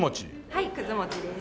はいくず餅です。